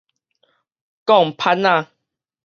摃盼仔